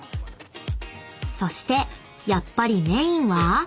［そしてやっぱりメインは］